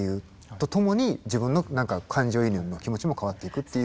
とともに自分の感情移入の気持ちも変わっていくっていう。